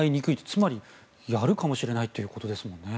つまり、やるかもしれないっていうことですもんね。